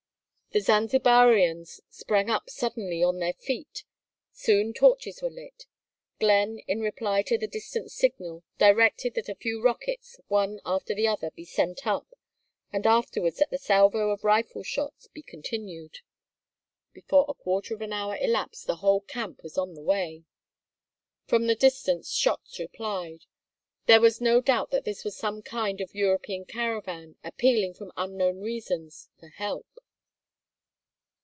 The Zanzibarians sprang up suddenly on their feet. Soon torches were lit. Glenn in reply to the distant signal directed that a few rockets, one after the other, be sent up; and afterwards that the salvo of rifle shots be continued. Before a quarter of an hour elapsed the whole camp was on the way. From the distance shots replied. There was no doubt that this was some kind of European caravan, appealing, from unknown reasons, for help.